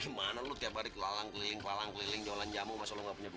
gimana lu tiap hari kelalang keliling kelalang keliling jualan jamu masa lo gak punya bumbu